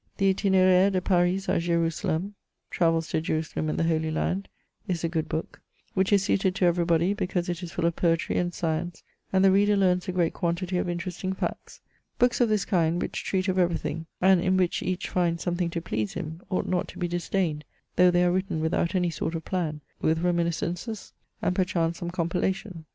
The Jtin&aire de Paris a Jerusalem (Travels to Jerusalem and the Holy Land) is a good book, which is suited to every body, because it is full of poetry and science, and the reader learns a great quantity of interesting facts. Books of this kind, which treat of everything, and in which each finds some thing to please him, ought not to be disdained, though they are written without any sort of plan, with reminiscences, and perchance some compilation.